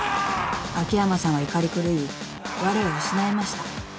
［秋山さんは怒り狂いわれを失いました］